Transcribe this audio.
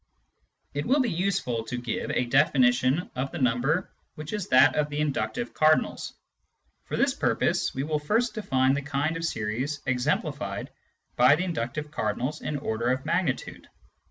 It will be useful to give a definition of the number which is that of the inductive cardinals. For this purpose we will first define the kind of series exemplified by the inductive cardinals in order of magnitude.